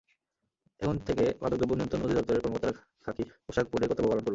এখন থেকে মাদকদ্রব্য নিয়ন্ত্রণ অধিদপ্তরের কর্মকর্তারা খাকি পোশাক পরে কর্তব্য পালন করবেন।